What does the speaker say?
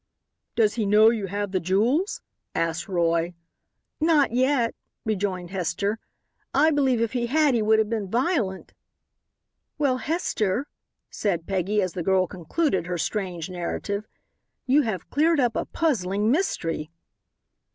"Does he know you have the jewels?" asked Roy. "Not yet," rejoined Hester; "I believe if he had he would have been violent." "Well, Hester," said Peggy, as the girl concluded her strange narrative, "you have cleared up a puzzling mystery."